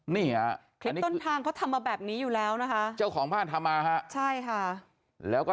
นี่ฮะคลิปต้นทางเขาทำมาแบบนี้อยู่แล้วนะคะเจ้าของบ้านทำมาฮะใช่ค่ะแล้วก็